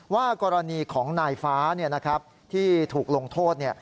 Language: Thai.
ว่ากรณีของนายฟ้าที่ถูกลงโทษ